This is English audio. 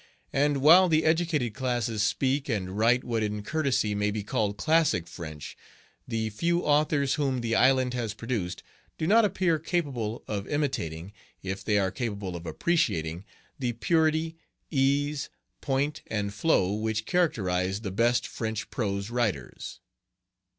And while the educated classes speak and write what in courtesy may be called classic French, the few authors whom the island has produced do not appear capable of imitating, if they are capable of appreciating, the purity, ease, point, and flow which characterize the best French prose writers.